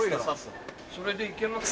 それでいけます？